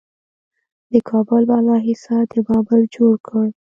د کابل بالا حصار د بابر جوړ کړ